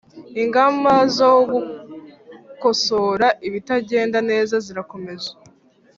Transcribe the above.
ingamba zo gukosora ibitagenda neza zirakomeje